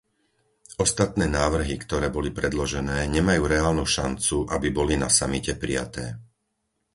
Ostatné návrhy, ktoré boli predložené, nemajú reálnu šancu, aby boli na samite prijaté.